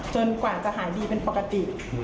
กว่าจะหายดีเป็นปกติ